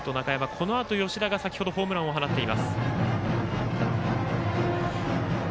このあと吉田が先ほどホームランを放っています。